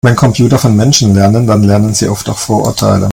Wenn Computer von Menschen lernen, dann lernen sie oft auch Vorurteile.